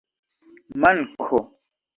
manko